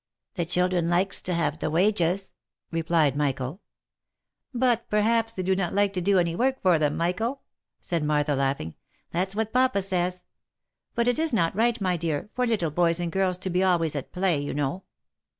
" The children likes to have the wages," replied Michael. " But perhaps they do not like to do any work for them, Michael ?" said Martha, laughing. " That's what papa says. But it is not right, my dear, for little boys and girls to be always at play, you know.